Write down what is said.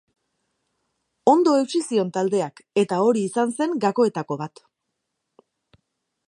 Ondo eutsi zion taldeak eta hori izan zen gakoetako bat.